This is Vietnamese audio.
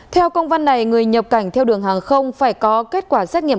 theo công văn này người nhập cảnh theo đường hàng không phải có kết quả xét nghiệm